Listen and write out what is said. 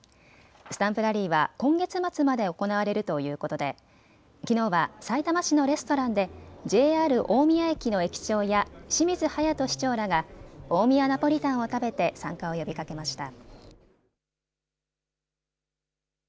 スタンプラリーは今月末まで行われるということできのうはさいたま市のレストランでＪＲ大宮駅の駅長や清水勇人市長らが大宮ナポリタンを食べて参加を呼びかけました。